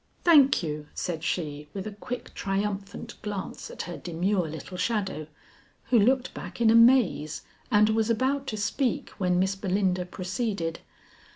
"Thank you," said she with a quick triumphant glance at her demure little shadow, who looked back in amaze and was about to speak when Miss Belinda proceeded.